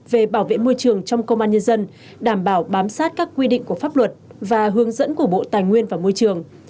về bảo vệ môi trường trong công an nhân dân đảm bảo bám sát các quy định của pháp luật và hướng dẫn của bộ tài nguyên và môi trường